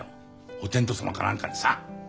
お天道様か何かにさ。